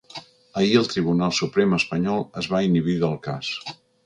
Ahir el Tribunal Suprem espanyol es va inhibir del cas.